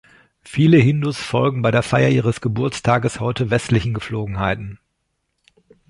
Viele Hindus folgen bei der Feier ihres Geburtstages heute westlichen Gepflogenheiten.